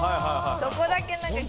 そこだけ何か。